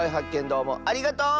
どうもありがとう！